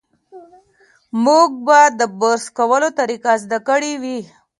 موږ به د برس کولو طریقه زده کړې وي.